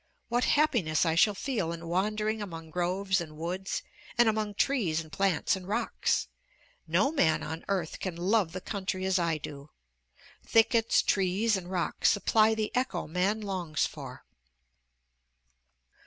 What happiness I shall feel in wandering among groves and woods, and among trees and plants and rocks! No man on earth can love the country as I do! Thickets, trees, and rocks supply the echo man longs for!